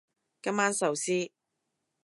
今晚壽司